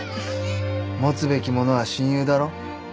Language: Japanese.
持つべきものは親友だろ？